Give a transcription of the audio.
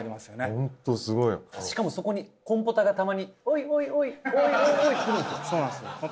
ホントすごいしかもそこにコンポタがたまにおいおいおいおいおい